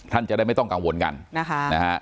ท่านจะได้ไม่ต้องกังวลกันนะคะนะฮะ